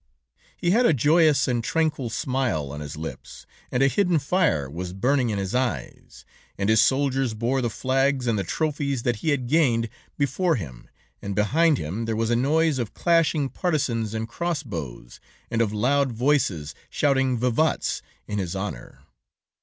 He had a joyous and tranquil smile on his lips, and a hidden fire was burning in his eyes, and his soldiers bore the flags and the trophies that he had gained, before him, and behind him there was a noise of clashing partisans and cross bows, and of loud voices shouting vivats in his honor.